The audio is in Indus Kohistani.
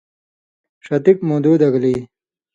ݜتُک مُودو دگلی۔